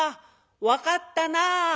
分かったな」。